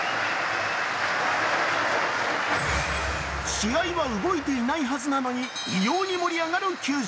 試合は動いていないはずなのに異様に盛り上がる球場。